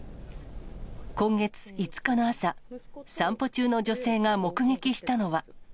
今月５日の朝、散歩中の女性が目撃したのは。